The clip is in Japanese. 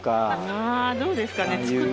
あぁどうですかね。